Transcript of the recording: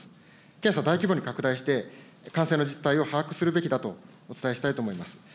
検査、大規模に拡大して、感染の実態を把握するべきだとお伝えしたいと思います。